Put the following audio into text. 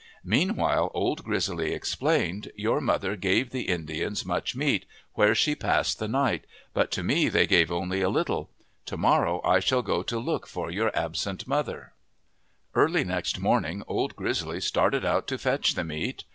Meanwhile Old Grizzly explained :" Your mother gave the Indians much meat, where she passed the night ; but to me they gave only a little. To morrow I shall go to look for your absent mother." '34 o P! b OF THE PACIFIC NORTHWEST Early next morning Old Grizzly started out to fetch the meat.